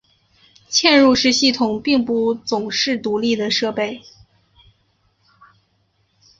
嵌入式系统并不总是独立的设备。